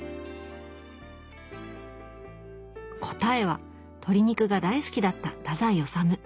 答えは鶏肉が大好きだった太宰治。